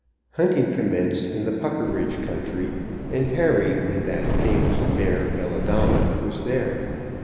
Hunting commenced in the Puckeridge country, and Harry with that famous mare Belladonna was there.